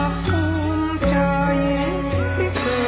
ทรงเป็นน้ำของเรา